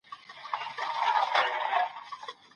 په یوه میاشت کي به ورک د پشو نوم وای